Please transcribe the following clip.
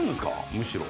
むしろ。